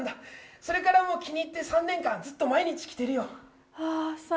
それからも気に入って、３年間ずっと毎日着てるよ。